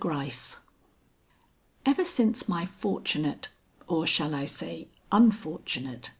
GRYCE Ever since my fortunate or shall I say unfortunate?